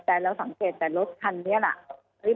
แต่เราสังเกตแต่รถคันนี้แหละ